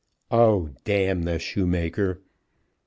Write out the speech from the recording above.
"Oh, d the shoemaker!"